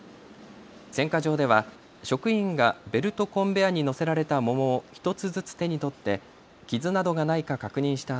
選果場では職員がベルトコンベアに乗せられた桃を１つずつ手に取って傷などがないか確認した